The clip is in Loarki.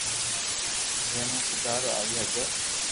جي مون سودارو آوي ھگي